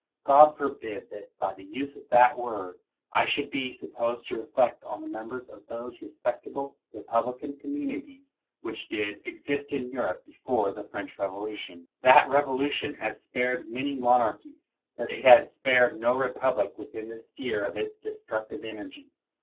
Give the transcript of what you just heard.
God forbid that by the use of that word I should be sup posed to reflect on the members of those re spectable republican communities which did IV— 7 97 THE WORLD'S FAMOUS ORATIONS exist in Europe before the French Revolution. That Revolution has spared many monarchies, but it has spared no republic within the sphere of its destructive energy.